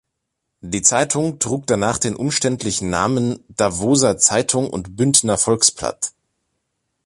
Die Zeitung trug danach den umständlichen Namen "Davoser Zeitung und Bündner Volksblatt".